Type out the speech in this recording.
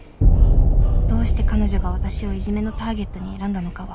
「どうして彼女が私をイジメのターゲットに選んだのかは」